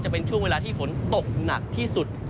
จะเป็นช่วงเวลาที่ฝนตกหนักที่สุด